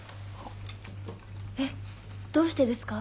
えどうしてですか？